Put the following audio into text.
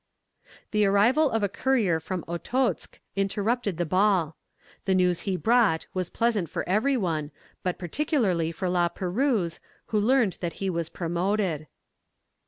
The arrival of a courier from Okotsk interrupted the ball. The news he brought was pleasant for every one, but particularly for La Perouse, who learned that he was promoted.